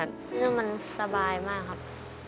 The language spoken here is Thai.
คิดถึงมันสบายมากครับ